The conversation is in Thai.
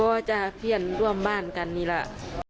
บอกว่าจะเพียงร่วมบ้านกันนี่แหละ